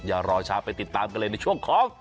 อย่ารอช้าไปติดตามกันเลยในช่วงของ